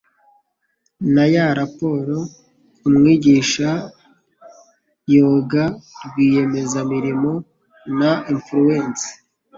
Naya Rappaport, umwigisha yoga, rwiyemezamirimo na influencer